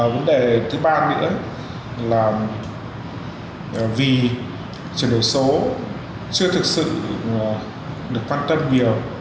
vấn đề thứ ba nữa là vì chuyển đổi số chưa thực sự được quan tâm nhiều